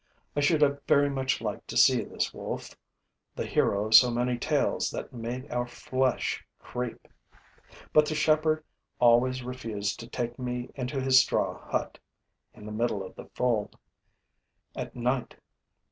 I should have very much liked to see this wolf, the hero of so many tales that made our flesh creep; but the shepherd always refused to take me into his straw hut, in the middle of the fold, at night.